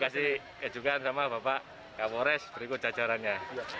saya sama bapak kapolres berikut jajarannya